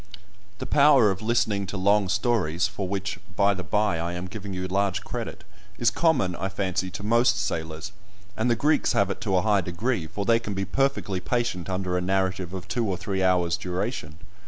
The power of listening to long stories (for which, by the bye, I am giving you large credit) is common, I fancy, to most sailors, and the Greeks have it to a high degree, for they can be perfectly patient under a narrative of two or three hours' duration.